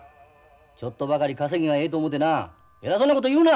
ちょっとばかり稼ぎがええと思うてな偉そうなこと言うな！